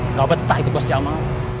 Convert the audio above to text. nggak betah itu bos jamal